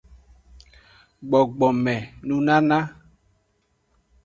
Gbogbome nunana.